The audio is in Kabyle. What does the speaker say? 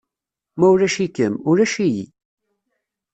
Ma ulac-ikem, ulac-iyi.